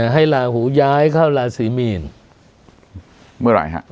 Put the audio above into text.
ให้ลาอูย้ายเข้าลาเสมีนมื่อไหร่ครับ